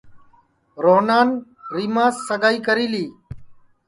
روہنان ریماس سگائی کری لی ہے